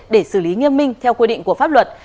để xử lý nghiêm minh theo quy định của pháp luật